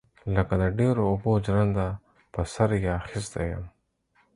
لکه د ډيرو اوبو ژرنده پر سر يې اخيستى يم.